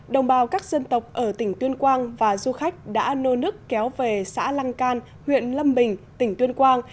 đồng bào các dân tộc ở tỉnh tuyên quang và du khách đã nô nức kéo về xã lăng can huyện lâm bình tỉnh tuyên quang